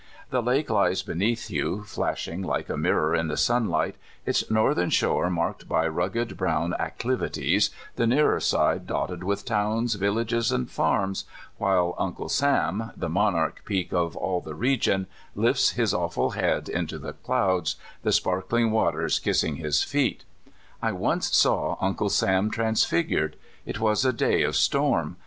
The lake lies beneath you, 1 lashing like a mirror in the sunlight, its north ern shore marked by rugged brown acclivities, the nearer side dotted with towns, villages, and farms, while " Uncle Sam," the monarch peak of all the re gion, lifts his awful head into the clouds, the spark lino; waters kissino; his feet. I once saw "Uncle Bam " transfigured. It was a day of storm.